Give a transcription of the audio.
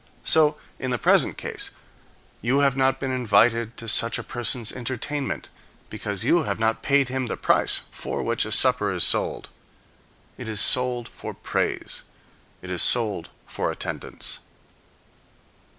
So, in the present case, you have not been invited to such a person's entertainment, because you have not paid him the price for which a supper is sold. It is sold for praise; it is sold for attendance.